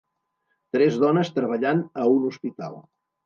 Tres dones treballant a un hospital.